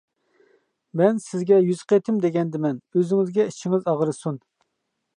مەن سىزگە يۈز قېتىم دېگەندىمەن، ئۆزىڭىزگە ئىچىڭىز ئاغرىسۇن!